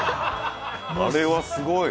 あれはすごい。